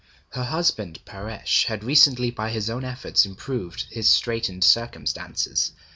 Her husband, Paresh, had recently by his own efforts improved his straitened circumstances.